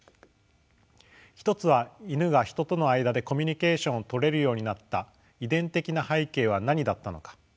一つはイヌがヒトとの間でコミュニケーションを取れるようになった遺伝的な背景は何だったのか。